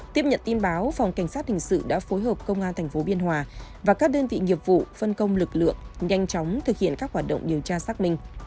tiếp nhận tin báo phòng cảnh sát hình sự đã phối hợp công an tp biên hòa và các đơn vị nghiệp vụ phân công lực lượng nhanh chóng thực hiện các hoạt động điều tra xác minh